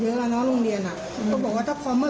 เรื่องชุดนักเรียนอะไรพวกนี้ค่ะ